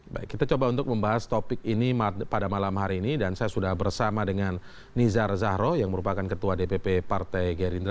baik kita coba untuk membahas topik ini pada malam hari ini dan saya sudah bersama dengan nizar zahro yang merupakan ketua dpp partai gerindra